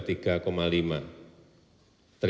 kenapa saya sampaikan ini